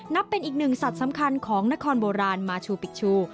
นับเป็นอีกหนึ่งสัตว์สำคัญของนครโบราณมาชูปิกชู